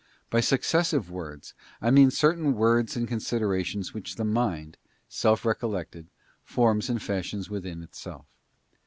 By Successive Words I mean certain words and considerations which the mind, self recollected, forms and fashions within itself.